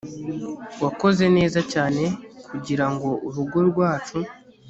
wakoze neza cyane kugirango urugo rwacu